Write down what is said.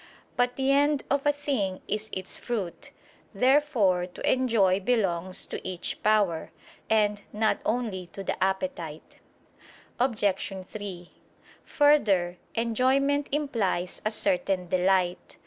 But the end of a thing is its fruit. Therefore to enjoy belongs to each power, and not only to the appetite. Obj. 3: Further, enjoyment implies a certain delight.